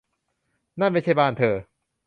นั่นไม่ใช่บ้านเธอ